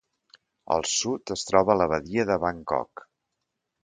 Al sud, es troba la badia de Bangkok.